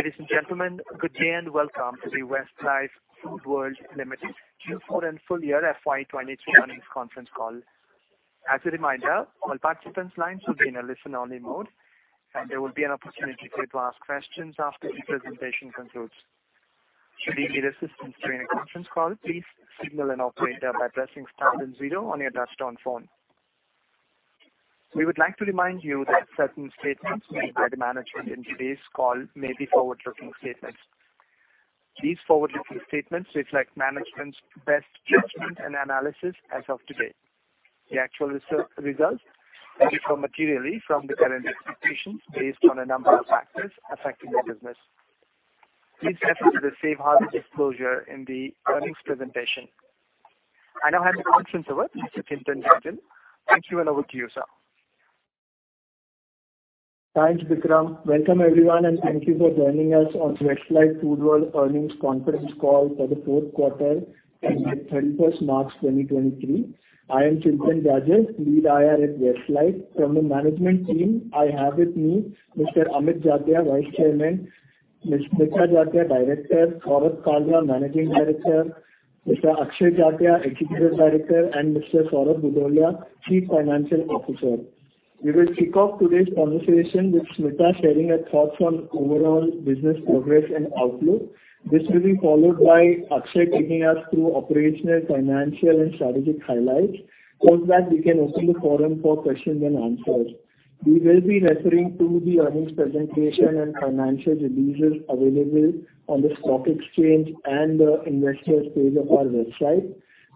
Ladies and gentlemen, good day and welcome to the Westlife Foodworld Limited Q4 and Full Year FY 2023 Earnings Conference Call. As a reminder, all participants' lines will be in a listen-only mode, and there will be an opportunity for you to ask questions after the presentation concludes. Should you need assistance during the conference call, please signal an operator by pressing star then zero on your touchtone phone. We would like to remind you that certain statements made by the management in today's call may be forward-looking statements. These forward-looking statements reflect management's best judgment and analysis as of today. The actual results may differ materially from the current expectations based on a number of factors affecting the business. Please refer to the safe harbor disclosure in the earnings presentation. I now hand the conference over to Chintan Jajal. Thank you, and over to you, sir. Thanks, Vikram. Welcome, everyone, thank you for joining us on Westlife Foodworld Earnings Conference Call for the fourth quarter ended 31st March 2023. I am Chintan Jajal, Lead IR at Westlife. From the management team, I have with me Mr. Amit Jatia, Vice Chairman; Ms. Smita Jatia, Director; Saurabh Kalra, Managing Director; Mr. Akshay Jatia, Executive Director; and Mr. Saurabh Bhudolia, Chief Financial Officer. We will kick off today's conversation with Smita sharing her thoughts on overall business progress and outlook. This will be followed by Akshay taking us through operational, financial, and strategic highlights. Post that, we can open the forum for questions and answers. We will be referring to the earnings presentation and financial releases available on the stock exchange and the investors page of our website.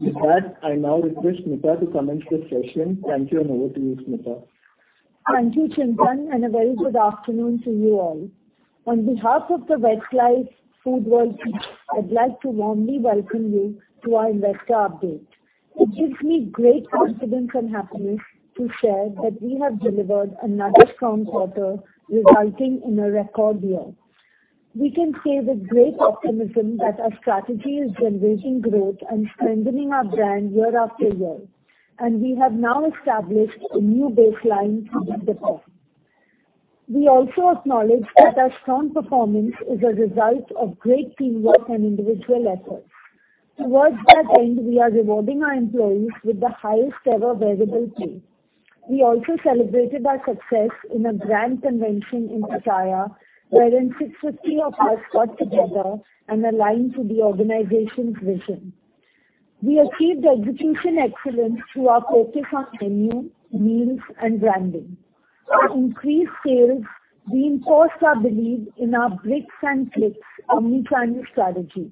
With that, I now request Smita to commence the session. Thank you, and over to you, Smita. Thank you, Chintan, and a very good afternoon to you all. On behalf of the Westlife Foodworld team, I'd like to warmly welcome you to our investor update. It gives me great confidence and happiness to share that we have delivered another strong quarter, resulting in a record year. We can say with great optimism that our strategy is generating growth and strengthening our brand year after year, and we have now established a new baseline to beat the curve. We also acknowledge that our strong performance is a result of great teamwork and individual efforts. Towards that end, we are rewarding our employees with the highest-ever variable pay. We also celebrated our success in a grand convention in Pattaya, wherein 650 of us got together and aligned to the organization's vision. We achieved execution excellence through our focus on menu, meals, and branding. With increased sales, we enforced our belief in our bricks and clicks omnichannel strategy,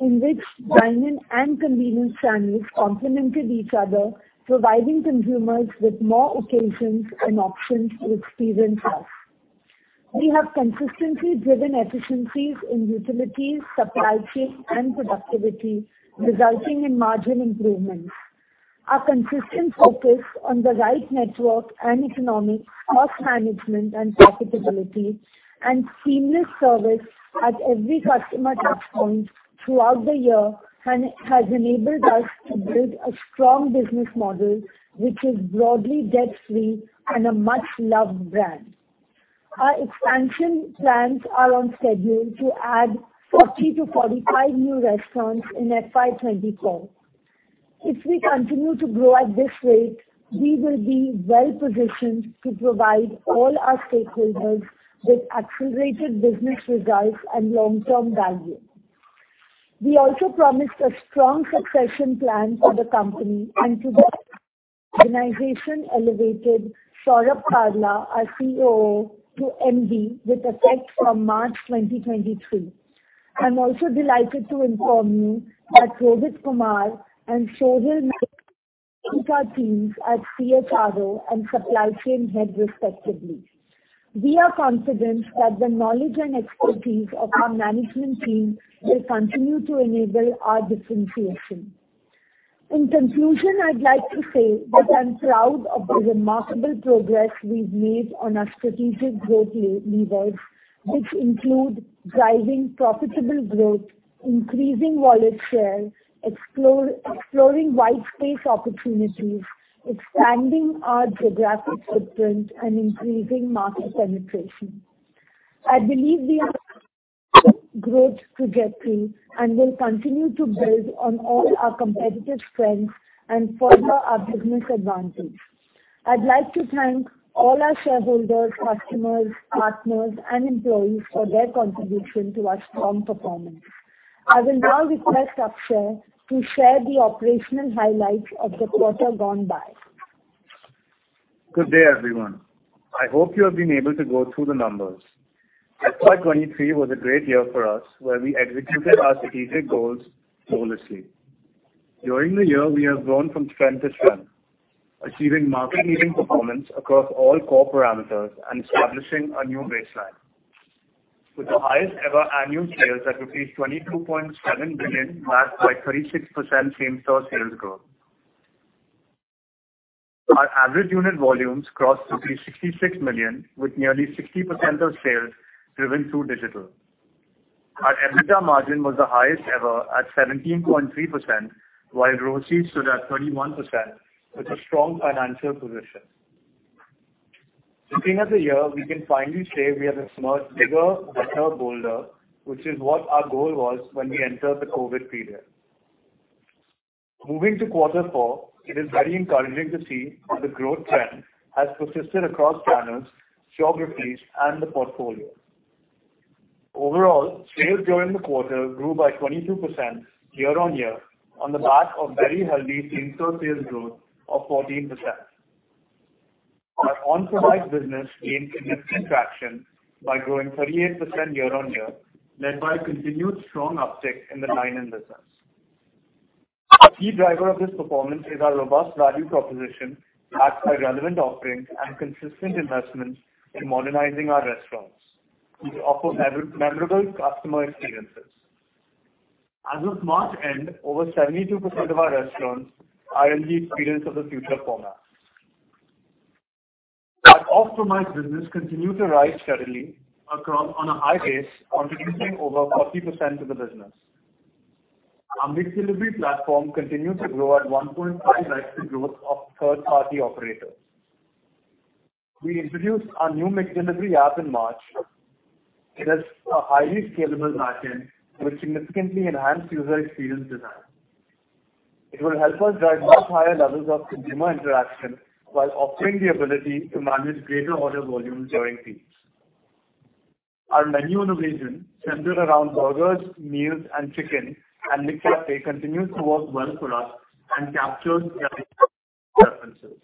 in which dine-in and convenience channels complemented each other, providing consumers with more occasions and options to experience us. We have consistently driven efficiencies in utilities, supply chain, and productivity, resulting in margin improvements. Our consistent focus on the right network and economic cost management and profitability and seamless service at every customer touchpoint throughout the year has enabled us to build a strong business model, which is broadly debt-free and a much-loved brand. Our expansion plans are on schedule to add 40-45 new restaurants in FY 2024. If we continue to grow at this rate, we will be well-positioned to provide all our stakeholders with accelerated business results and long-term value. We also promised a strong succession plan for the company. Today, the organization elevated Saurabh Kalra, our COO, to MD, with effect from March 2023. I'm also delighted to inform you that Rohith Kumar and Saurabh Mehta will lead our teams as CHRO and supply chain head, respectively. We are confident that the knowledge and expertise of our management team will continue to enable our differentiation. In conclusion, I'd like to say that I'm proud of the remarkable progress we've made on our strategic growth levers, which include driving profitable growth, increasing wallet share, exploring white space opportunities, expanding our geographic footprint, and increasing market penetration. I believe we are on a strong growth trajectory, and will continue to build on all our competitive strengths and further our business advantage. I'd like to thank all our shareholders, customers, partners, and employees for their contribution to our strong performance. I will now request Akshay to share the operational highlights of the quarter gone by. Good day, everyone. I hope you have been able to go through the numbers. FY 2023 was a great year for us, where we executed our strategic goals flawlessly. During the year, we have grown from strength to strength, achieving market-leading performance across all core parameters and establishing a new baseline. With the highest-ever annual sales at 22.7 billion, marked by 36% same-store sales growth. Our average unit volumes crossed 66 million with nearly 60% of sales driven through digital. Our EBITDA margin was the highest ever at 17.3%, while grosses stood at 31%, with a strong financial position. Looking at the year, we can finally say we are the smarter, bigger, better, bolder, which is what our goal was when we entered the COVID period. Moving to quarter four, it is very encouraging to see that the growth trend has persisted across channels, geographies, and the portfolio. Overall, sales during the quarter grew by 22% year-on-year on the back of very healthy same-store sales growth of 14%. Our on-premise business gained significant traction by growing 38% year-on-year, led by continued strong uptick in the dine-in business. The key driver of this performance is our robust value proposition backed by relevant offerings and consistent investments in modernizing our restaurants to offer memorable customer experiences. As of March end, over 72% of our restaurants are in the Experience of the Future format. Our off-premise business continued to rise steadily on a high base, contributing over 40% to the business. Our McDelivery platform continued to grow at 1.5x the growth of third-party operators. We introduced our new McDelivery app in March. It has a highly scalable backend, which significantly enhanced user experience design. It will help us drive much higher levels of consumer interaction while offering the ability to manage greater order volumes during peaks. Our menu innovation centered around burgers, meals, and chicken at McCafé continues to work well for us and captures customer preferences.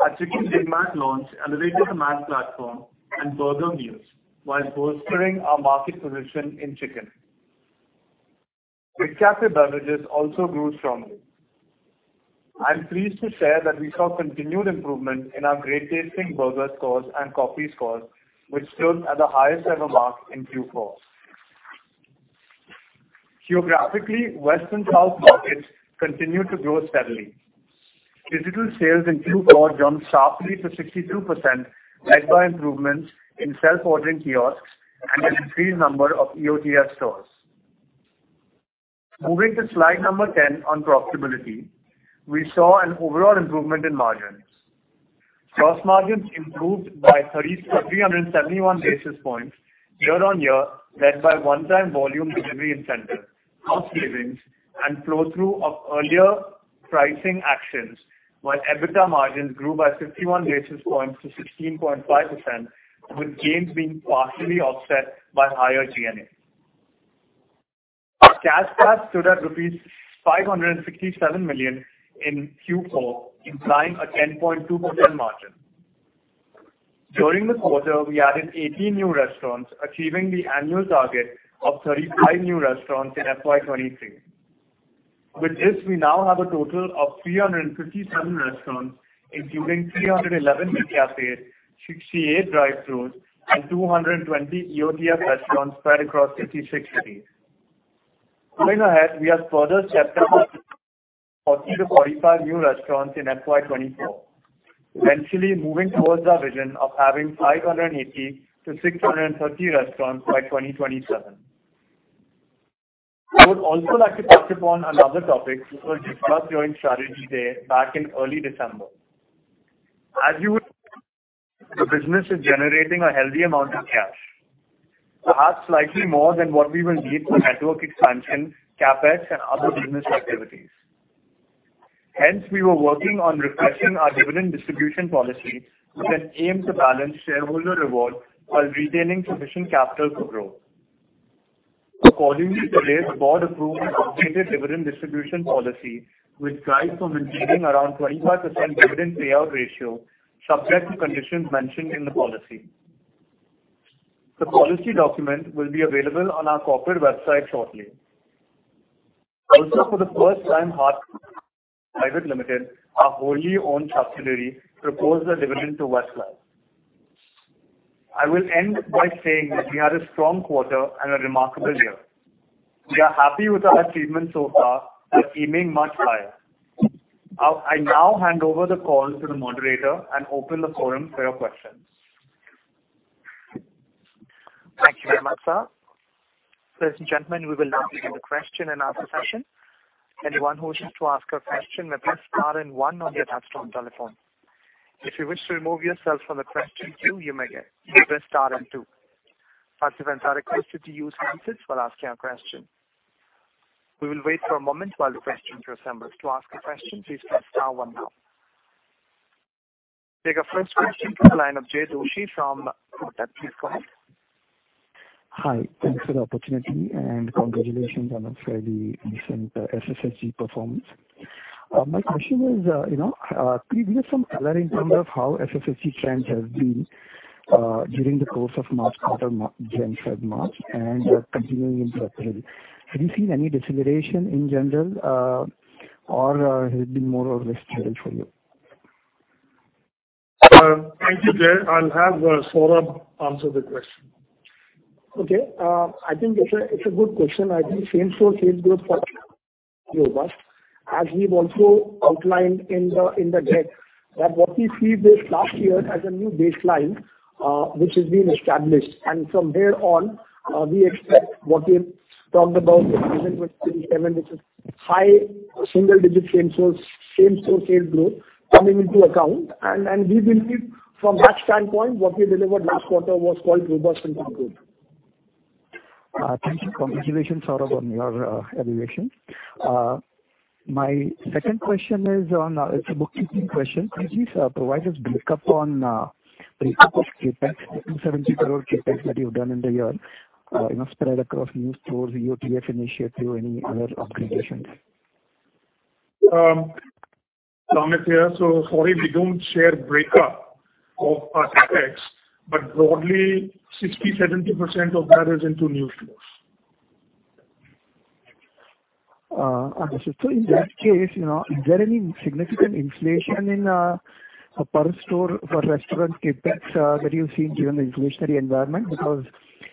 Our Chicken Big Mac launch elevated the Mac platform and burger meals while bolstering our market position in chicken. McCafé beverages also grew strongly. I'm pleased to share that we saw continued improvement in our great tasting burger scores and coffee scores, which stood at the highest ever mark in Q4. Geographically, west and south markets continued to grow steadily. Digital sales in Q4 jumped sharply to 62%, led by improvements in self-ordering kiosks and an increased number of EOTF stores. Moving to slide number 10 on profitability, we saw an overall improvement in margins. Gross margins improved by 371 basis points year-on-year, led by one-time volume delivery incentive, cost savings, and flow-through of earlier pricing actions, while EBITDA margins grew by 51 basis points to 16.5%, with gains being partially offset by higher G&A. Our cash flow stood at rupees 567 million in Q4, implying a 10.2% margin. During the quarter, we added 18 new restaurants, achieving the annual target of 35 new restaurants in FY 2023. With this, we now have a total of 357 restaurants, including 311 McCafés, 68 drive-throughs, and 220 EOTF restaurants spread across 56 cities. Going ahead, we are further stepping up 40-45 new restaurants in FY 2024, eventually moving towards our vision of having 580-630 restaurants by 2027. I would also like to touch upon another topic, which was discussed during Strategy Day back in early December. As you would, the business is generating a healthy amount of cash, perhaps slightly more than what we will need for network expansion, CapEx, and other business activities. Hence, we were working on refreshing our dividend distribution policy with an aim to balance shareholder reward while retaining sufficient capital for growth. Accordingly, today, the board approved an updated dividend distribution policy, which guides for maintaining around 25% dividend payout ratio subject to conditions mentioned in the policy. The policy document will be available on our corporate website shortly. Also, for the first time, Hardcastle Restaurants Private Limited, our wholly-owned subsidiary, proposed a dividend to Westlife. I will end by saying that we had a strong quarter and a remarkable year. We are happy with our achievements so far and aiming much higher. I now hand over the call to the moderator and open the forum for your questions. Thank you very much, sir. Ladies and gentlemen, we will now begin the question and answer session. Anyone who wishes to ask a question may press star and one on your touchtone telephone. If you wish to remove yourself from the question queue, you may press star and two. Participants are requested to use hands-free while asking a question. We will wait for a moment while the questions are assembled. To ask a question, please press star one now. We have our first question from the line of Jay Doshi from Kotak. Please go ahead. Hi. Thanks for the opportunity, and congratulations on the recent SSSG performance. My question is, you know, could you give some color in terms of how SSSG trends have been during the course of March quarter, January through March, and continuing into April? Have you seen any deceleration in general, or has it been more or less stable for you? Thank you, Jay. I'll have Saurabh answer the question. Okay. I think it's a good question. I think same-store sales growth for- Robust. As we've also outlined in the deck, that what we see this last year as a new baseline, which has been established. From there on, we expect what we've talked about with million with 37, which is high single-digit same store sale growth coming into account. We believe from that standpoint, what we delivered last quarter was quite robust and on point. Thank you for congratulations, Saurabh, on your elevation. My second question is on, it's a bookkeeping question. Could you please provide us breakup of CapEx, the 270 crore CapEx that you've done in the year, spread across new stores, EOTF initiative, any other optimizations? Amit here. sorry, we don't share break up of our CapEx, but broadly 60%, 70% of that is into new stores. Understood. In that case, you know, is there any significant inflation in a per store for restaurant CapEx that you've seen given the inflationary environment? Because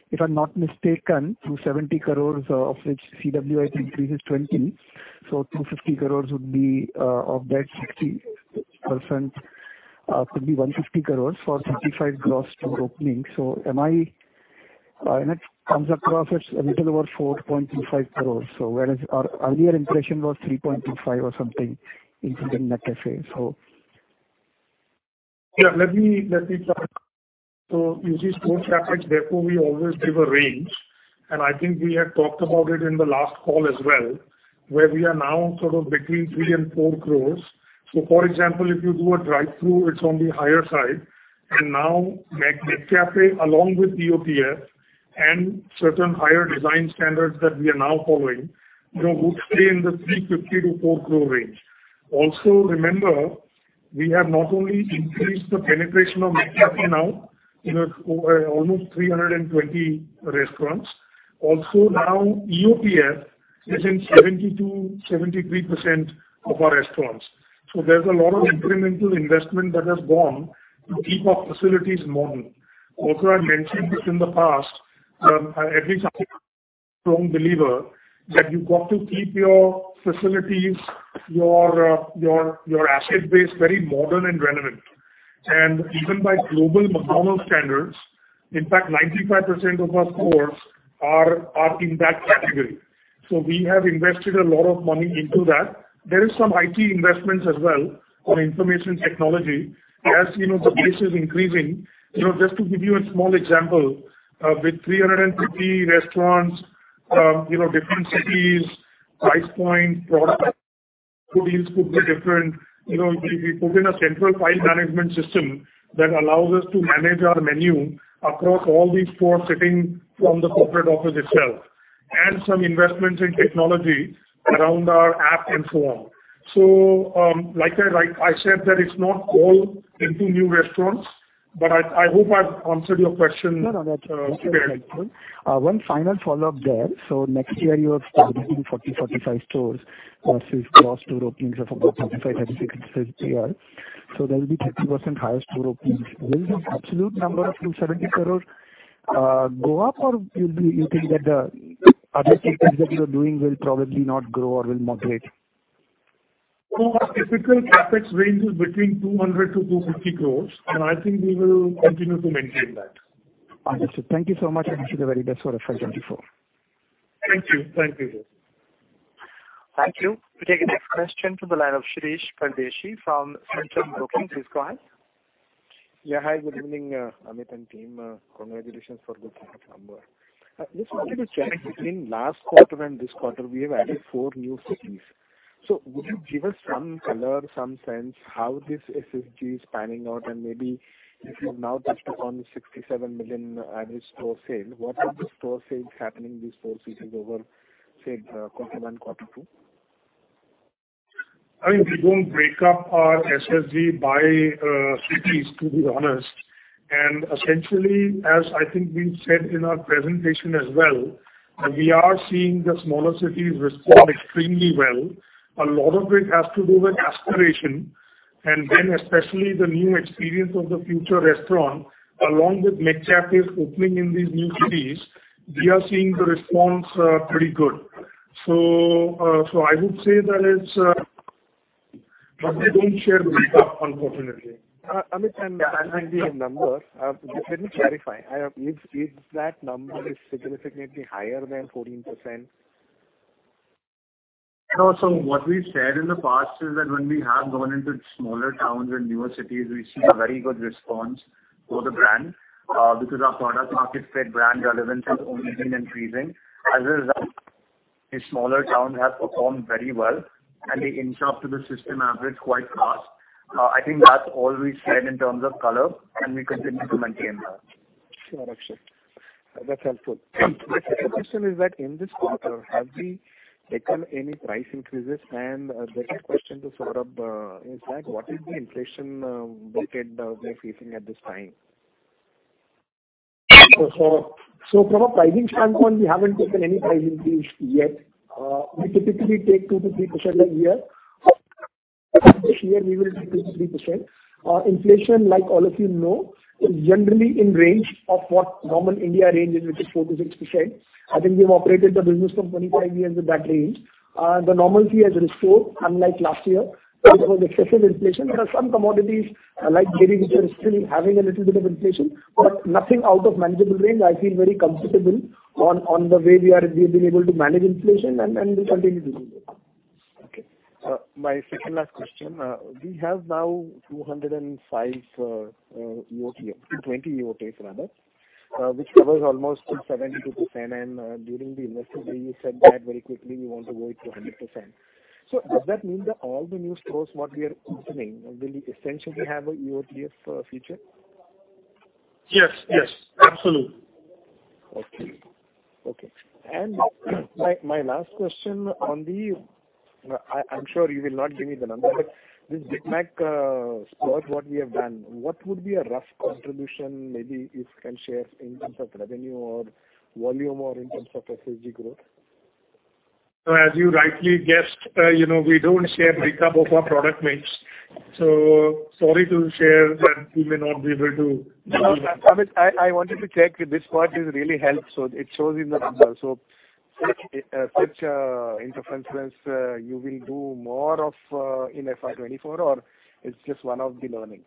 if I'm not mistaken, 270 crores of which CWI think increases 20. 250 crores would be of that 60%, could be 150 crores for 55 gross store openings. Am I... And it comes across as a little over 4.25 crores. Whereas our year inflation was 3.25 crores or something in the McCafé. Yeah. Let me clarify. You see store CapEx, therefore we always give a range, and I think we had talked about it in the last call as well, where we are now sort of between 3 and 4 crores. For example, if you do a drive-through, it's on the higher side. Now McCafé along with EOTF and certain higher design standards that we are now following, you know, would stay in the 3.50 crore-4 crore range. Also remember, we have not only increased the penetration of McCafé now in almost 320 restaurants. Also now EOTF is in 72%, 73% of our restaurants. There's a lot of incremental investment that has gone to keep our facilities modern. I've mentioned this in the past, at least I'm a strong believer that you've got to keep your facilities, your asset base very modern and relevant. Even by global McDonald's standards, in fact, 95% of our stores are in that category. We have invested a lot of money into that. There is some IT investments as well on information technology. As you know, the base is increasing. You know, just to give you a small example, with 350 restaurants, you know, different cities, price point, product, food deals could be different. You know, we put in a central file management system that allows us to manage our menu across all these four sitting from the corporate office itself, and some investments in technology around our app and so on. Like I said that it's not all into new restaurants, but I hope I've answered your question. No. That was helpful. Clearly. One final follow-up there. Next year you are targeting 40-45 stores versus gross store openings of about 35-36 this year. There'll be 30% higher store openings. Will the absolute number of new 70 crores go up or you think that the other CapEx that you are doing will probably not grow or will moderate? Our typical CapEx range is between 200 crores-250 crores, and I think we will continue to maintain that. Understood. Thank you so much, and wish you the very best for the financial 2024. Thank you. Thank you. Thank you. We take the next question from the line of Shirish Pardeshi from Centrum Broking. Please go ahead. Yeah. Hi, good evening, Amit and team. Congratulations for good results somewhere. Just wanted to check between last quarter and this quarter, we have added four new cities. Would you give us some color, some sense how this SSSG is panning out? Maybe if you have now just took on 67 million average store sale, what are the store sales happening these four cities over, say, quarter one, quarter two? I mean, we don't break up our SSSG by cities, to be honest. Essentially, as I think we said in our presentation as well, we are seeing the smaller cities respond extremely well. A lot of it has to do with aspiration and then especially the new Experience of the Future restaurant along with McCafés opening in these new cities, we are seeing the response pretty good. I would say that it's. We don't share the breakup, unfortunately. Amit, I'm dialing the numbers. just let me clarify. is that number is significantly higher than 14%? You know, what we've said in the past is that when we have gone into smaller towns and newer cities, we've seen a very good response for the brand, because our product market fit brand relevance has only been increasing. As a result, these smaller towns have performed very well and they inch up to the system average quite fast. I think that's all we've said in terms of color, and we continue to maintain that. Sure. That's helpful. My second question is that in this quarter, have we taken any price increases? The second question to Saurabh, is that what is the inflation, bucket, we're facing at this time? From a pricing standpoint, we haven't taken any price increase yet. We typically take 2%-3% a year. This year we will be 53%. Inflation, like all of you know, is generally in range of what normal India range is, which is 4%-6%. I think we've operated the business for 25 years in that range. The normalcy has restored unlike last year, which was excessive inflation. There are some commodities like dairy which are still having a little bit of inflation. Nothing out of manageable range. I feel very comfortable on the way we've been able to manage inflation and we'll continue to do that. Okay. My second last question. We have now 205 EOTF, 220 EOTFs rather, which covers almost 72%. During the investor day you said that very quickly we want to go to 100%. Does that mean that all the new stores what we are opening, will we essentially have a EOTF feature? Yes, yes. Absolutely. Okay. Okay. my last question. I'm sure you will not give me the numbers. This Big Mac spot what we have done, what would be a rough contribution, maybe if you can share in terms of revenue or volume or in terms of SSSG growth? As you rightly guessed, you know, we don't share break up of our product mix. Sorry to share that we may not be able to do that. Amit, I wanted to check if this part has really helped. It shows in the numbers. Such in the conference sense, you will do more of in FY 2024 or it's just one of the learnings?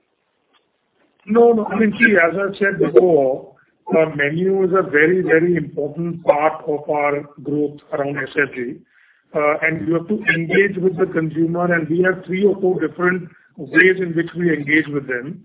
No, no. I mean, see, as I said before, our menu is a very, very important part of our growth around SSSG. We have to engage with the consumer, and we have 3 or 4 different ways in which we engage with them.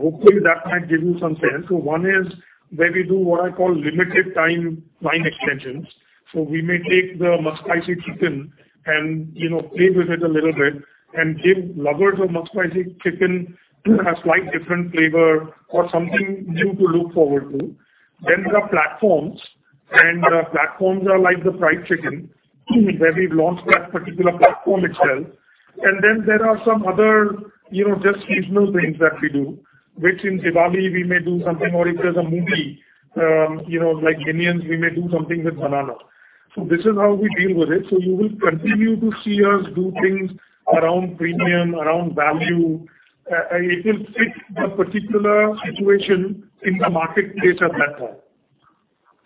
Hopefully that might give you some sense. One is where we do what I call limited time line extensions. We may take the McSpicy Chicken and, you know, play with it a little bit and give lovers of McSpicy Chicken a slight different flavor or something new to look forward to. There are platforms, and platforms are like the fried chicken, where we've launched that particular platform itself. There are some other, you know, just seasonal things that we do, which in Diwali we may do something or if there's a movie, you know, like Minions, we may do something with banana. This is how we deal with it. You will continue to see us do things around premium, around value. It will fit a particular situation in the market better,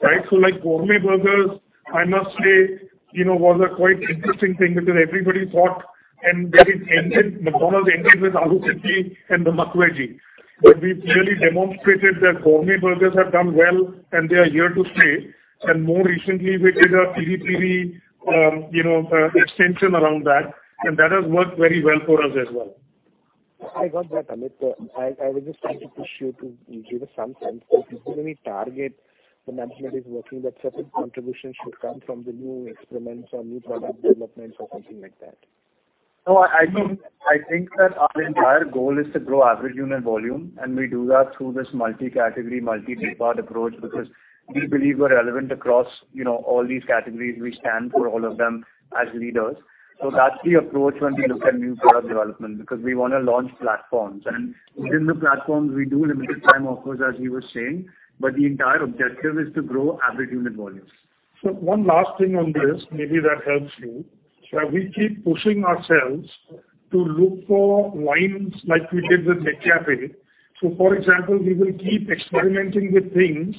right? Like gourmet burgers, I must say, you know, was a quite interesting thing because everybody thought McDonald's entered with McAloo Tikki and the McVeggie. We've clearly demonstrated that gourmet burgers have done well and they are here to stay. More recently we did a TGT, you know, extension around that, and that has worked very well for us as well. I got that, Amit. I was just trying to push you to give us some sense that is there any target the management is working that certain contribution should come from the new experiments or new product developments or something like that? I think that our entire goal is to grow average unit volume, and we do that through this multi-category, multi-product approach because we believe we're relevant across, you know, all these categories. We stand for all of them as leaders. That's the approach when we look at new product development because we wanna launch platforms. Within the platforms we do limited time offers, as he was saying, but the entire objective is to grow average unit volumes. One last thing on this, maybe that helps you. That we keep pushing ourselves to look for lines like we did with McCafé. For example, we will keep experimenting with things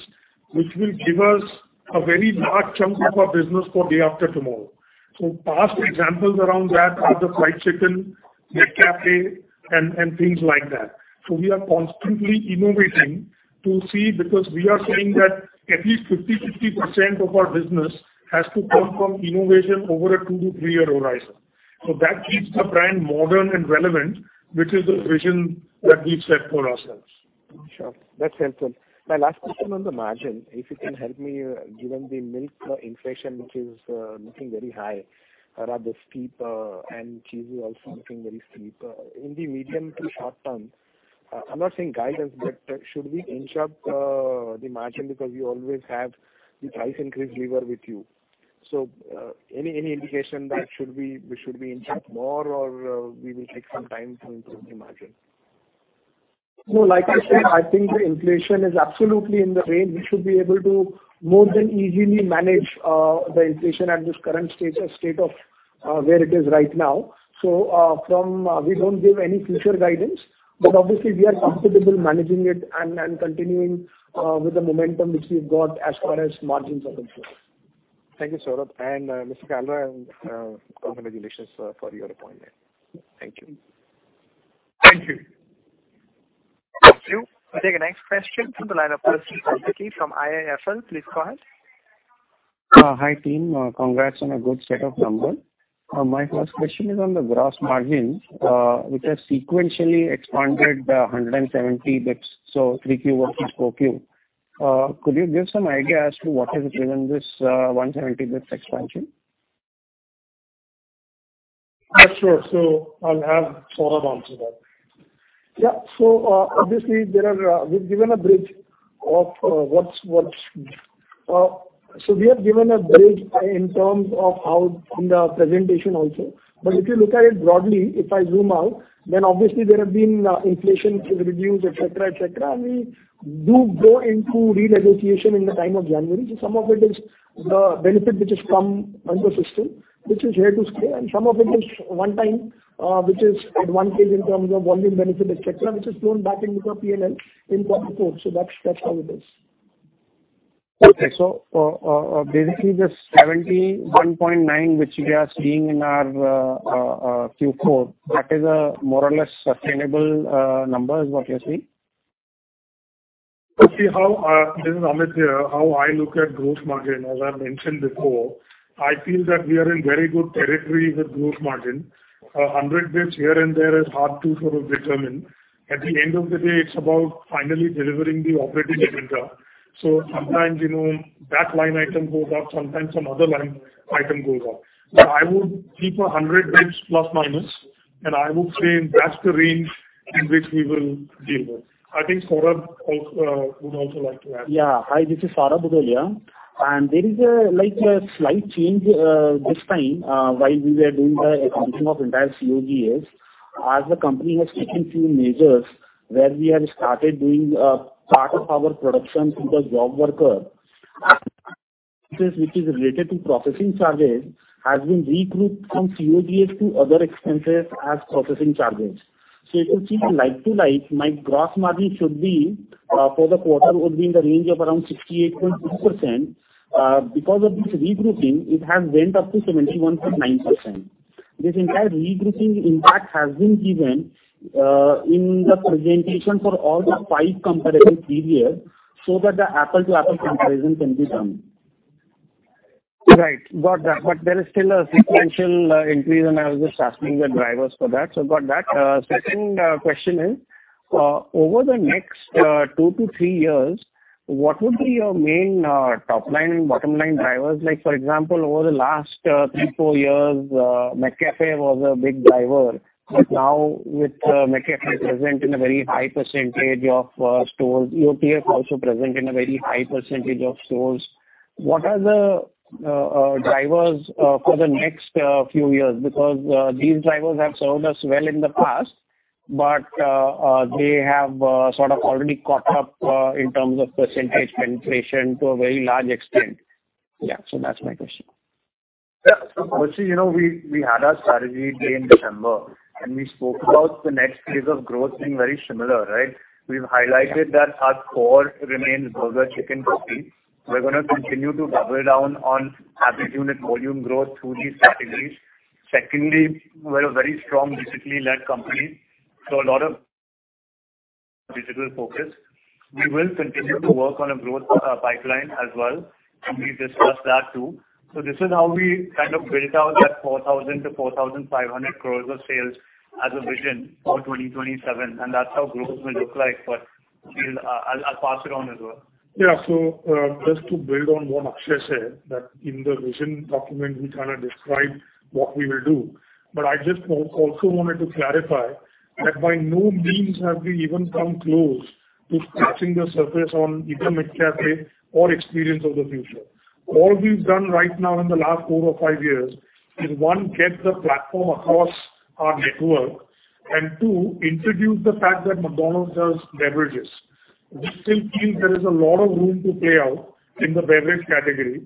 which will give us a very large chunk of our business for day after tomorrow. Past examples around that are the fried chicken, McCafé and things like that. We are constantly innovating to see because we are saying that at least 50% of our business has to come from innovation over a two to three-year horizon. That keeps the brand modern and relevant, which is the vision that we've set for ourselves. Sure. That's helpful. My last question on the margin, if you can help me, given the milk inflation, which is looking very high, rather steep, and cheese is also looking very steep. In the medium to short term, I'm not saying guidance, but should we inch up the margin because you always have the price increase lever with you. Any, any indication that we should be inch up more or we will take some time to improve the margin? No, like I said, I think the inflation is absolutely in the range. We should be able to more than easily manage the inflation at this current state of where it is right now. From we don't give any future guidance, but obviously we are comfortable managing it and continuing with the momentum which we've got as far as margins are concerned. Thank you, Saurabh. And Mr. Kalra, and congratulations for your appointment. Thank you. Thank you. Thank you. We'll take the next question from the line of Percy Panthaki from IIFL. Please go ahead. Hi team. Congrats on a good set of numbers. My first question is on the gross margins, which has sequentially expanded, 170 basis points, so 3Q over 4Q. Could you give some idea as to what has driven this, 170 basis points expansion? Sure. I'll have Saurabh answer that. Yeah. Obviously there are we've given a break of what's... We have given a break in terms of how in the presentation also. If you look at it broadly, if I zoom out. Obviously there have been inflation has reduced, et cetera, et cetera. We do go into renegotiation in the time of January. Some of it is the benefit which has come into the system, which is here to stay, and some of it is one time, which is advantage in terms of volume benefit, et cetera, which is flown back into the P&L in quarter four. That's how it is. Okay. Basically this 71.9 which we are seeing in our Q4, that is a more or less sustainable number, is what you're saying? See how, this is Amit here. How I look at gross margin, as I mentioned before, I feel that we are in very good territory with gross margin. 100 bps here and there is hard to sort of determine. At the end of the day, it's about finally delivering the operating lever. Sometimes, you know, that line item goes up, sometimes some other line item goes up. I would keep 100 bps±, and I would say that's the range in which we will deliver. I think Saurabh also, would also like to add. Yeah. Hi, this is Saurabh Bhudolia. There is like a slight change this time while we were doing the accounting of entire COGS. The company has taken few measures where we have started doing part of our production through the job worker, which is related to processing charges, has been regrouped from COGS to other expenses as processing charges. If you see like to like, my gross margin should be for the quarter would be in the range of around 68.2%. Because of this regrouping, it has went up to 71.9%. This entire regrouping impact has been given in the presentation for all the five comparable previous, so that the apple to apple comparison can be done. Right. Got that. There is still a substantial increase, and I was just asking the drivers for that. Got that. Second question is, over the next two to three years, what would be your main top line and bottom line drivers? Like for example, over the last three, four years, McCafé was a big driver. Now with McCafé present in a very high percentage of stores, EOTF also present in a very high percentage of stores, what are the drivers for the next few years? These drivers have served us well in the past, but they have sort of already caught up in terms of percentage penetration to a very large extent. Yeah. That's my question. Actually, you know, we had our strategy day in December, and we spoke about the next phase of growth being very similar, right? We've highlighted that our core remains burger, chicken, coffee. We're gonna continue to double down on average unit volume growth through these categories. Secondly, we're a very strong digitally-led company, so a lot of digital focus. We will continue to work on a growth pipeline as well, and we discussed that too. This is how we kind of built out that 4,000 crores-4,500 crores of sales as a vision for 2027, and that's how growth will look like. I'll pass it on as well. Just to build on what Akshay said, that in the vision document we kind of described what we will do. I also wanted to clarify that by no means have we even come close to scratching the surface on either McCafé or Experience of the Future. All we've done right now in the last four or five years is, one, get the platform across our network and, two, introduce the fact that McDonald's does beverages. We still feel there is a lot of room to play out in the beverage category.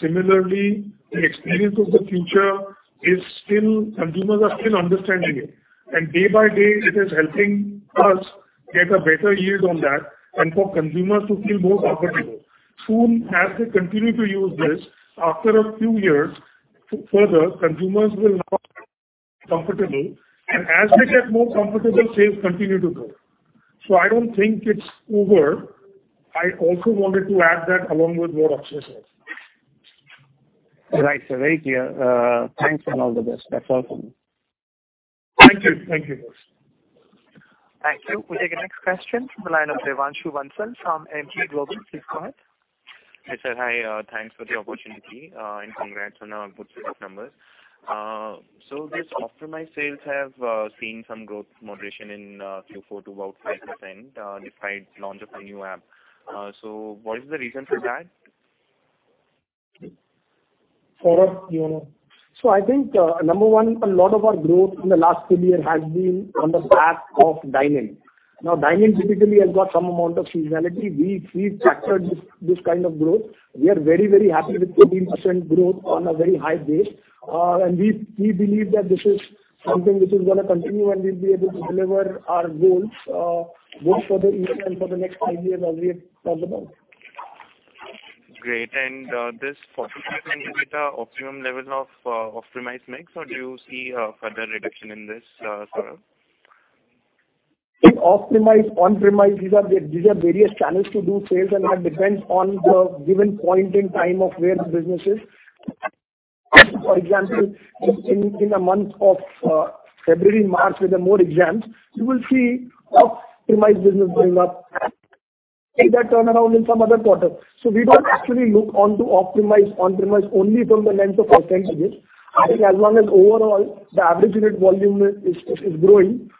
Similarly, the Experience of the Future is still consumers are still understanding it. Day by day, it is helping us get a better yield on that and for consumers to feel more comfortable. Soon, as they continue to use this, after a few years further, consumers will now comfortable, and as they get more comfortable, sales continue to grow. I don't think it's over. I also wanted to add that along with what Akshay said. Right. Very clear. Thanks and all the best. That's all from me. Thank you. Thank you, guys. Thank you. We'll take the next question from the line of Devanshu Bansal from Emkay Global. Please go ahead. Hi, sir. Hi, thanks for the opportunity, and congrats on a good set of numbers. This optimize sales have seen some growth moderation in Q4 to about 5%, despite launch of a new app. What is the reason for that? Saurabh, do you wanna? I think, number one, a lot of our growth in the last few years has been on the back of dine-in. Dine-in typically has got some amount of seasonality. We factored this kind of growth. We are very, very happy with 13% growth on a very high base. We believe that this is something which is gonna continue, and we'll be able to deliver our goals, both for the year and for the next five years as we have talked about. Great. This 45% is the optimum level of optimized mix or do you see a further reduction in this, Saurabh? In optimize, on-premise, these are various channels to do sales, that depends on the given point in time of where the business is. For example, in a month of February, March with the more exams, you will see optimized business going up and see that turnaround in some other quarter. We don't actually look onto optimize on-premise only from the lens of percentage. I think as long as overall the average unit volume is growing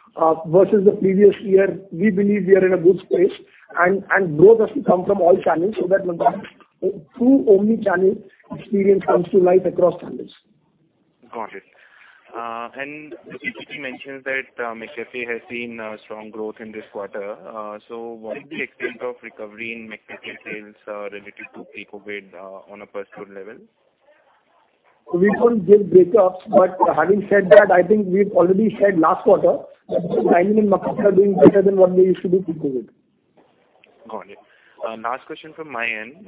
versus the previous year, we believe we are in a good space and growth has to come from all channels, so that McDonald's true omni-channel experience comes to light across the country. Got it. The CCP mentions that McCafé has seen strong growth in this quarter. What is the extent of recovery in McCafé sales related to pre-COVID on a personal level? We don't give breakups. Having said that, I think we've already said last quarter that dining and McCafé are doing better than what they used to do pre-COVID. Got it. Last question from my end.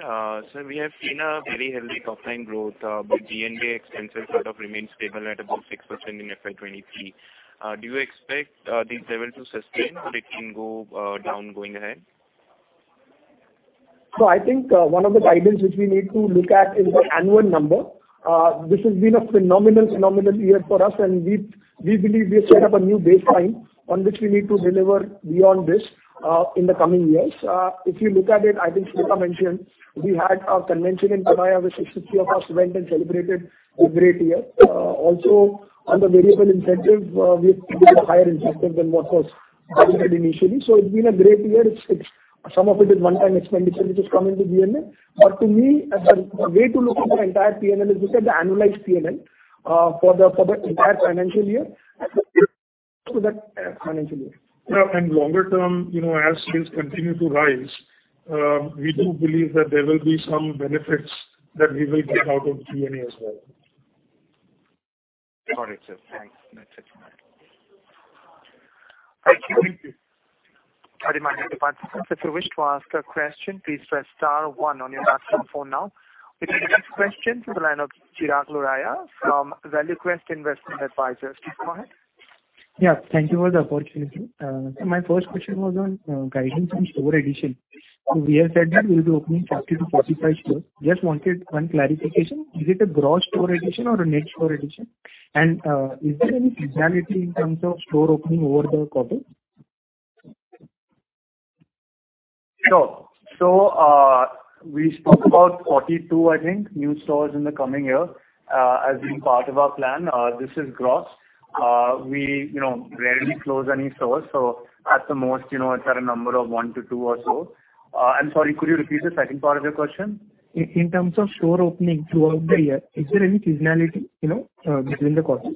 Sir, we have seen a very healthy offline growth, but G&A expenses sort of remains stable at about 6% in FY 2023. Do you expect this level to sustain or it can go down going ahead? I think one of the titles which we need to look at is the annual number. This has been a phenomenal year for us, and we believe we have set up a new baseline on which we need to deliver beyond this in the coming years. If you look at it, I think Smita mentioned we had our convention in Pattaya, where 60 of us went and celebrated a great year. Also on the variable incentive, we've given a higher incentive than what was budgeted initially. It's been a great year. Some of it is one-time expenditure which has come into G&A. To me, the way to look at the entire P&L is look at the annualized P&L for the, for the entire financial year to that financial year. Yeah, longer term, you know, as sales continue to rise, we do believe that there will be some benefits that we will get out of G&A as well. Got it, sir. Thanks. That's it from my end. Thank you. Thank you. A reminder to participants, if you wish to ask a question, please press star 1 on your telephone now. We'll take the next question to the line of Chirag Lodaya from Valuequest Investment Advisors. Please go ahead. Thank you for the opportunity. My first question was on guidance on store addition. We have said that we'll be opening 40-45 stores. Just wanted one clarification. Is it a gross store addition or a net store addition? Is there any seasonality in terms of store opening over the quarters? Sure. We spoke about 42, I think, new stores in the coming year, as being part of our plan. This is gross. We, you know, rarely close any stores. At the most, you know, it's at a number of one to two or so. I'm sorry, could you repeat the second part of your question? In terms of store opening throughout the year, is there any seasonality, you know, between the quarters?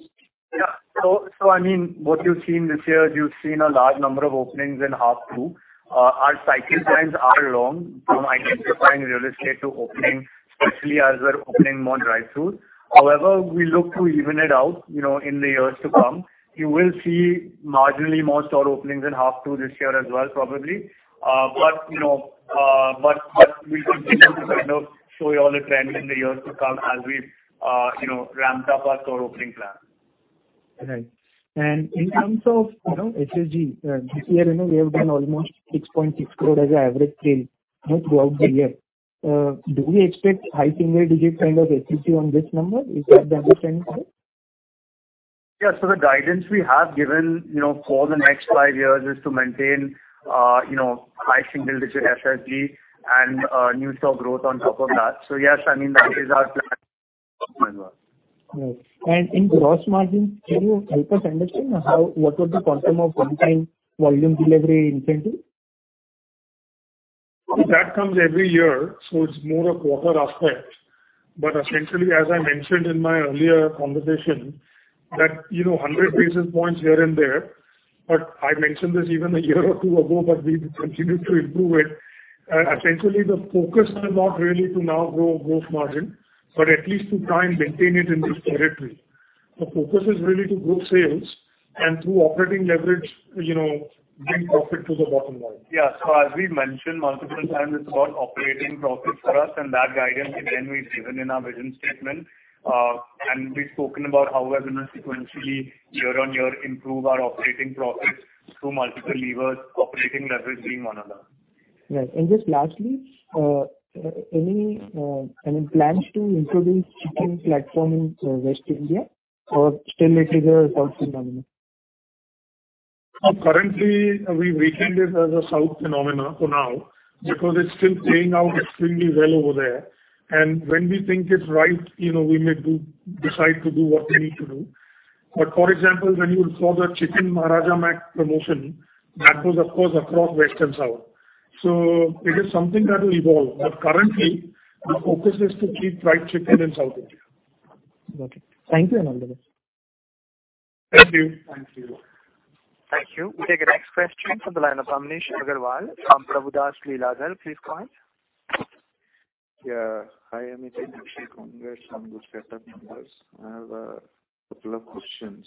Yeah. I mean, what you've seen this year is you've seen a large number of openings in half two. Our cycle times are long from identifying real estate to opening, especially as we're opening more drive-throughs. However, we look to even it out, you know, in the years to come. You will see marginally more store openings in half two this year as well, probably. You know, we continue to kind of show you all the trends in the years to come as we, you know, ramp up our store opening plan. Right. In terms of, you know, SSSG, this year, you know, we have done almost 6.6 crore as an average sale, you know, throughout the year. Do we expect high single-digit kind of SSSG on this number? Is that the understanding? Yeah. The guidance we have given, you know, for the next five years is to maintain, you know, high single-digit SSSG and new store growth on top of that. Yes, I mean, that is our plan as well. Right. In gross margin, can you help us understand what was the quantum of one-time volume delivery incentive? That comes every year, so it's more a quarter aspect. Essentially, as I mentioned in my earlier conversation, that, you know, 100 basis points here and there, but I mentioned this even a year or two ago, but we've continued to improve it. Essentially the focus is not really to now grow gross margin, but at least to try and maintain it in this territory. The focus is really to grow sales and through operating leverage, you know, bring profit to the bottom line. As we've mentioned multiple times, it's about operating profits for us, and that guidance is anyways given in our vision statement. We've spoken about how we're gonna sequentially year-on-year improve our operating profits through multiple levers, operating leverage being one of them. Right. Just lastly, any plans to introduce chicken platform in West India or still it is a South phenomenon? Currently, we treat it as a South phenomena for now because it's still playing out extremely well over there. When we think it's right, you know, we may decide to do what we need to do. For example, when you saw the Chicken Maharaja Mac promotion, that was of course across West and South. It is something that will evolve. Currently, our focus is to keep fried chicken in South India. Got it. Thank you, and have a good day. Thank you. Thank you. Thank you. We'll take the next question from the line of Amnish Aggarwal from Prabhudas Lilladher. Please go ahead. Yeah. Hi, Amit and Akshay, congrats on good set of numbers. I have a couple of questions.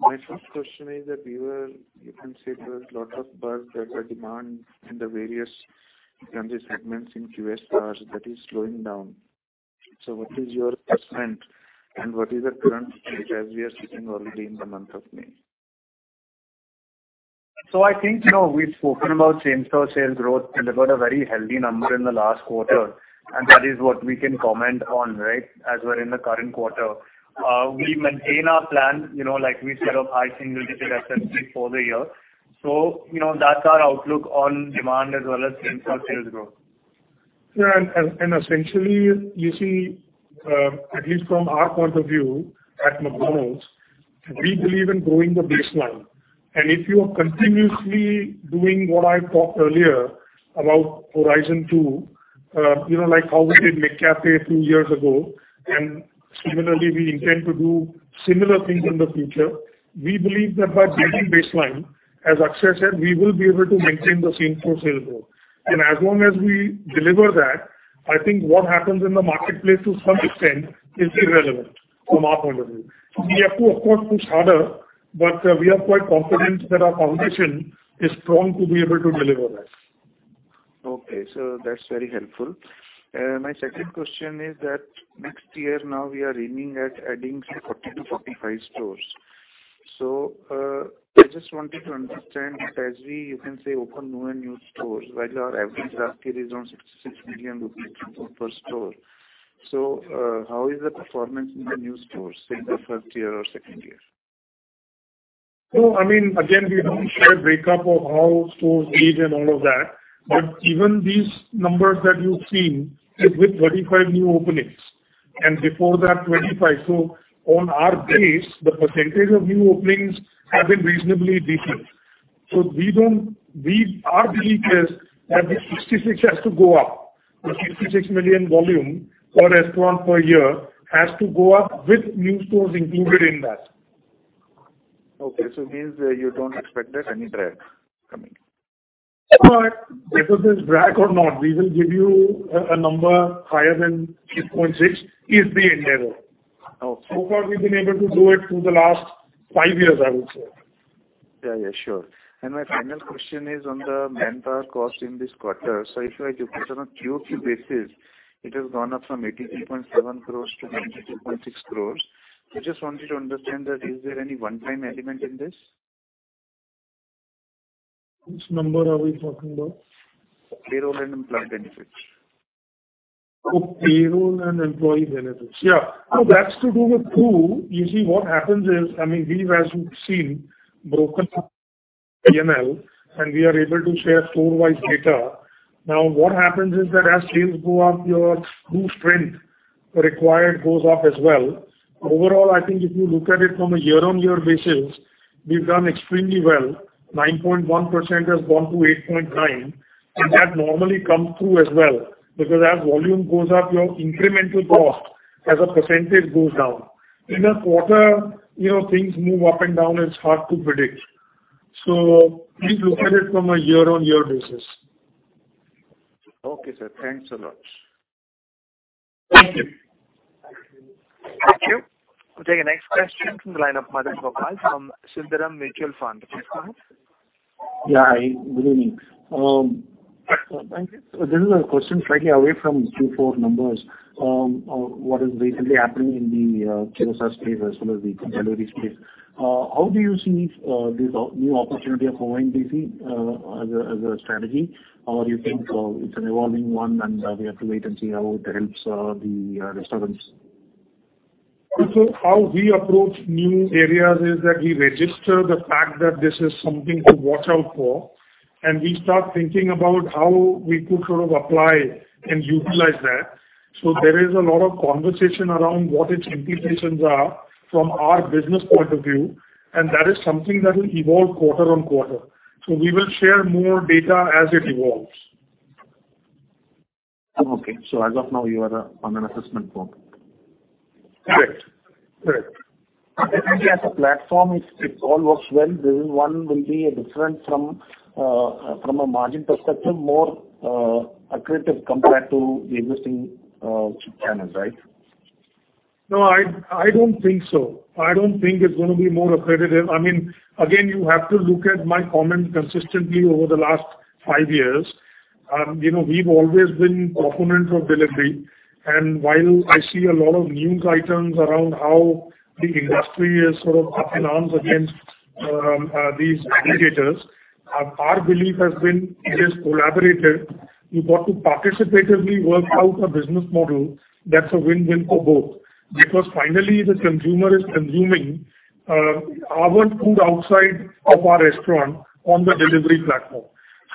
My first question is that you can say there was lot of buzz that the demand in the various country segments in QSR that is slowing down. What is your assessment and what is the current picture as we are sitting already in the month of May? I think, you know, we've spoken about same store sales growth, delivered a very healthy number in the last quarter, and that is what we can comment on, right? As we're in the current quarter. We maintain our plan, you know, like we said, of high single-digit SSSG for the year. You know, that's our outlook on demand as well as same store sales growth. Yeah. Essentially, you see, at least from our point of view at McDonald's. We believe in growing the baseline. If you are continuously doing what I talked earlier about Horizon two, you know, like how we did McCafé a few years ago, and similarly, we intend to do similar things in the future. We believe that by building baseline, as Akshay said, we will be able to maintain the same-store sales growth. As long as we deliver that, I think what happens in the marketplace to some extent is irrelevant from our point of view. We have to, of course, push harder, but we are quite confident that our foundation is strong to be able to deliver that. Okay. That's very helpful. My second question is that next year now we are aiming at adding 40-45 stores. I just wanted to understand that as we, you can say, open more new stores while our average draft is around 66 million rupees per store. How is the performance in the new stores in the first year or second year? I mean, again, we don't share a breakup of how stores did and all of that. Even these numbers that you've seen is with 35 new openings and before that, 25. On our base, the percentage of new openings have been reasonably decent. Our belief is that the 66 has to go up. The 66 million volume per restaurant per year has to go up with new stores included in that. Okay. It means that you don't expect that any drag coming in. No, whether there's drag or not, we will give you a number higher than 6.6 is the endeavor. Okay. Far, we've been able to do it through the last five years, I would say. Yeah, yeah, sure. My final question is on the manpower cost in this quarter. If I look at it on QoQ basis, it has gone up from 83.7 crores to 92.6 crores. I just want you to understand that is there any one-time element in this? Which number are we talking about? Payroll and employee benefits. Payroll and employee benefits. Yeah. That is to do with two. You see, what happens is, I mean, we have, as you have seen, broken up P&L, and we are able to share store-wide data. What happens is that as sales go up, your crew strength required goes up as well. Overall, I think if you look at it from a year-on-year basis, we have done extremely well. 9.1% has gone to 8.9%, and that normally comes through as well, because as volume goes up, your incremental cost as a percentage goes down. In a quarter, you know, things move up and down, it is hard to predict. Please look at it from a year-on-year basis. Okay, sir. Thanks a lot. Thank you. Thank you. We'll take the next question from the line of Madhav Gokal from Sundaram Mutual Fund. Please go on. Hi, good evening. This is a question slightly away from Q4 numbers, on what is recently happening in the QSR space as well as the delivery space. How do you see this new opportunity of ONDC as a strategy? Or you think it's an evolving one and we have to wait and see how it helps the restaurants? How we approach new areas is that we register the fact that this is something to watch out for, and we start thinking about how we could sort of apply and utilize that. There is a lot of conversation around what its implications are from our business point of view, and that is something that will evolve quarter on quarter. We will share more data as it evolves. Okay. As of now, you are on an assessment form. Correct. Correct. As a platform, it all works well. This one will be different from from a margin perspective, more accretive compared to the existing channels, right? No, I don't think so. I don't think it's gonna be more accretive. I mean, again, you have to look at my comments consistently over the last five years. You know, we've always been proponents of delivery. While I see a lot of news items around how the industry is sort of up in arms against these aggregators, our belief has been it is collaborative. You've got to participatively work out a business model that's a win-win for both. Finally, the consumer is consuming our food outside of our restaurant on the delivery platform.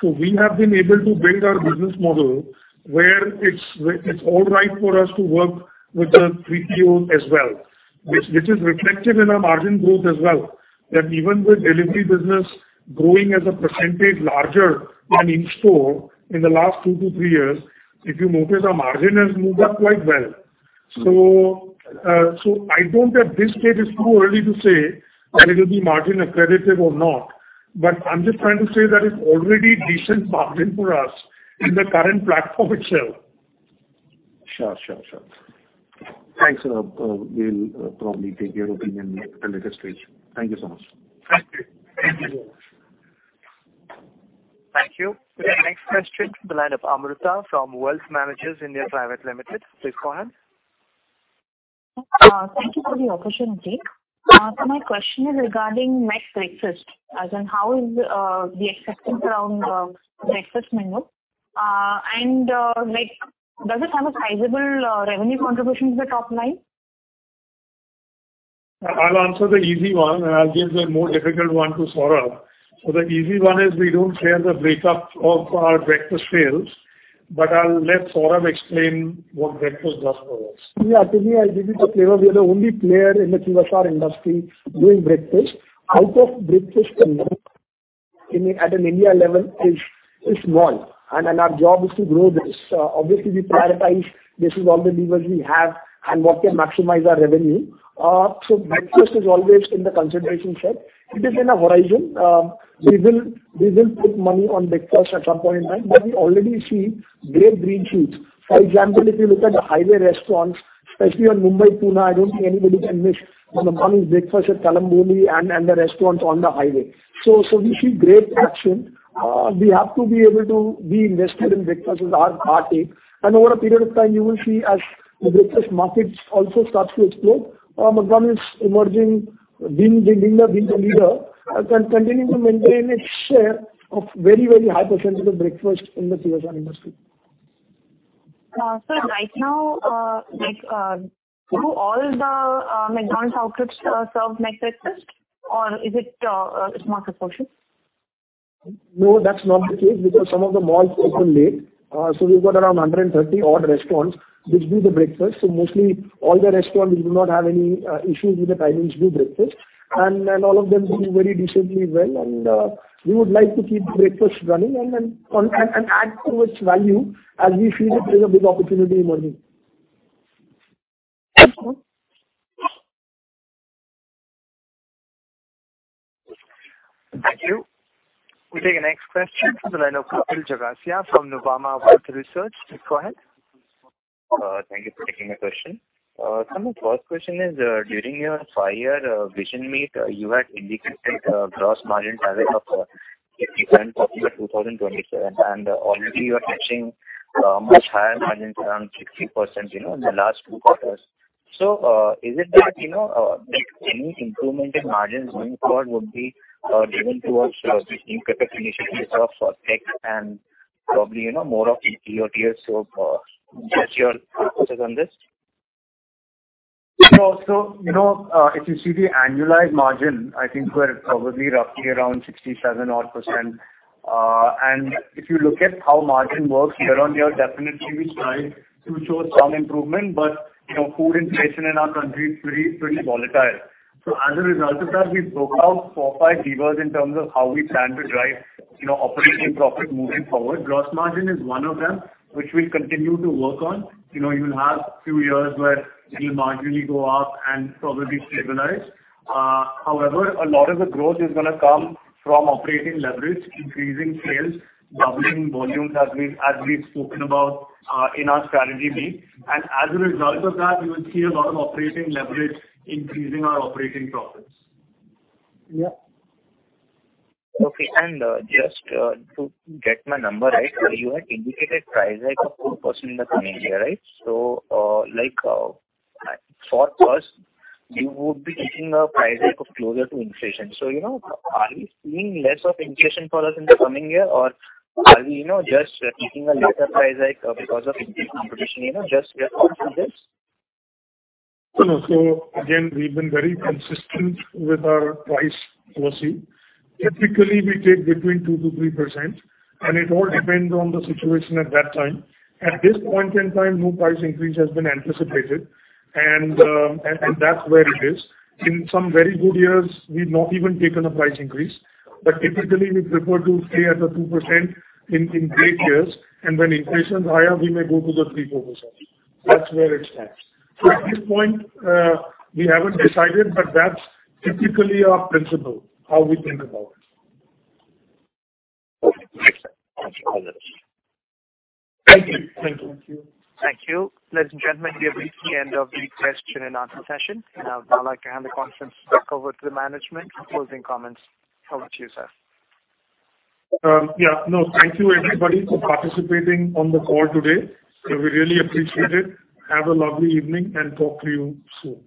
We have been able to build our business model where it's all right for us to work with the TPOs as well, which is reflected in our margin growth as well. That even with delivery business growing as a percentage larger than in-store in the last two to three years, if you notice, our margin has moved up quite well. I don't think at this stage it's too early to say whether it'll be margin accretive or not. I'm just trying to say that it's already decent margin for us in the current platform itself. Sure. Thanks, Saurabh. We'll probably take your opinion at a later stage. Thank you so much. Thank you. Thank you. We take the next question from the line of Amruta from Wealth Managers India Private Limited. Please go on. Thank you for the opportunity. My question is regarding McBreakfast, as in how is the acceptance around the breakfast menu? Like, does it have a sizable revenue contribution to the top line? I'll answer the easy one, and I'll give the more difficult one to Saurabh. The easy one is we don't share the breakup of our breakfast sales. I'll let Saurabh explain what breakfast does for us. Yeah. To me, I'll give you the flavor. We are the only player in the QSR industry doing breakfast. Out of breakfast in, at an India level is small and our job is to grow this. Obviously we prioritize. This is all the levers we have and what can maximize our revenue. Breakfast is always in the consideration set. It is in our horizon. We will put money on breakfast at some point in time, but we already see great green shoots. For example, if you look at the highway restaurants, especially on Mumbai-Pune, I don't think anybody can miss McDonald's breakfast at Kalamboli and the restaurants on the highway. We see great action. We have to be able to be invested in breakfast with our take. Over a period of time, you will see as the breakfast markets also starts to explode, McDonald's emerging being the leader, can continue to maintain its share of very high percentage of breakfast in the QSR industry. Right now, like, do all the McDonald's outlets serve McBreakfast or is it's not across all? No, that's not the case because some of the malls open late. We've got around 130 odd restaurants which do the breakfast. Mostly all the restaurants do not have any issues with the timings, do breakfast. All of them doing very decently well. We would like to keep breakfast running and then add to its value as we feel it is a big opportunity emerging. Thank you. Thank you. We'll take the next question from the line of Kapil Jagasia from Nuvama Wealth Research. Go ahead. Thank you for taking my question. Amit, first question is, during your five-year vision meet, you had indicated gross margin target of 57% for 2027, and already you are touching much higher margins around 60%, you know, in the last two quarters. Is it that, you know, any improvement in margins going forward would be driven towards increased efficiencies of tech and probably, you know, more of EAT or delivery? Just your focus on this. You know, if you see the annualized margin, I think we're probably roughly around 67% odd. If you look at how margin works year-on-year, definitely we try to show some improvement. you know, food inflation in our country is pretty volatile. As a result of that, we've broke out four, five levers in terms of how we plan to drive, you know, operating profit moving forward. Gross margin is one of them, which we'll continue to work on. You know, you'll have few years where it'll marginally go up and probably stabilize. However, a lot of the growth is gonna come from operating leverage, increasing sales, doubling volumes as we've spoken about, in our strategy meet. As a result of that, you will see a lot of operating leverage increasing our operating profits. Yeah. Okay. Just to get my number right, you had indicated price hike of 4% in the coming year, right? Like, for first you would be taking a price hike of closer to inflation. You know, are we seeing less of inflation for us in the coming year or are we, you know, just taking a lesser price hike because of increased competition? You know, just your thoughts on this? No. Again, we've been very consistent with our price policy. Typically, we take between 2%-3%, and it all depends on the situation at that time. At this point in time, no price increase has been anticipated. That's where it is. In some very good years, we've not even taken a price increase. Typically, we prefer to stay at the 2% in great years. When inflation is higher, we may go to the 3%-4%. That's where it stands. At this point, we haven't decided, but that's typically our principle, how we think about it. Okay. Makes sense. Thanks for all this. Thank you. Thank you. Thank you. Ladies and gentlemen, we have reached the end of the question and answer session. I'd now like to hand the conference back over to the management for closing comments. Over to you, sir. Yeah. No, thank you everybody for participating on the call today. We really appreciate it. Have a lovely evening and talk to you soon.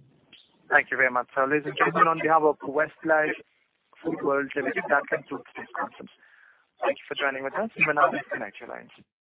Thank you very much. Ladies and gentlemen, on behalf of Westlife Foodworld Limited, I thank you for today's conference. Thank you for joining with us. You may now disconnect your lines.